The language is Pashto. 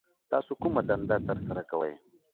تاسو کومه دنده ترسره کوي